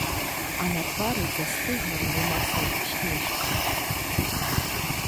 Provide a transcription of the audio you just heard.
А на твары застыгла грымасай усмешка.